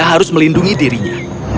dia harus melindungi dirinya